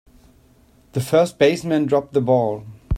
The first baseman dropped the ball.